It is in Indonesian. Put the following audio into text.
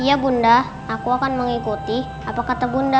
pati sekarang kau memakiku dengan perkataanmu